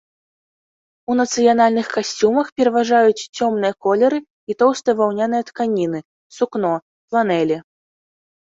У нацыянальных касцюмах пераважаюць цёмныя колеры і тоўстыя ваўняныя тканіны, сукно, фланелі.